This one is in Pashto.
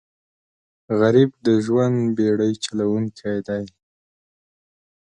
غریب د ژوند بېړۍ چلوونکی دی